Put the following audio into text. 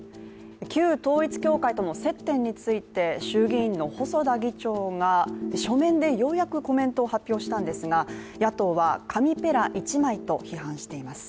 旧統一教会との接点について衆議院の細田議長が書面でようやくコメントを発表したんですが野党は紙ペラ１枚と批判しています。